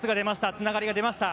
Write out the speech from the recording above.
つながりが出ました。